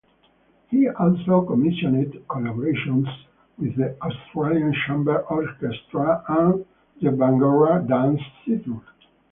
He also commissioned collaborations with the Australian Chamber Orchestra and the Bangarra Dance Theatre.